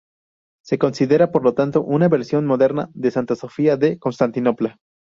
Se considera, por lo tanto, una versión moderna de Santa Sofía de Constantinopla.